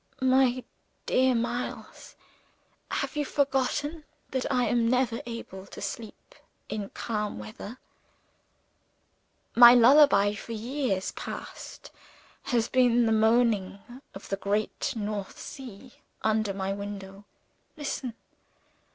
"My dear Miles, have you forgotten that I am never able to sleep in calm weather? My lullaby, for years past, has been the moaning of the great North Sea, under my window. Listen!